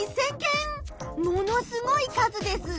ものすごい数です！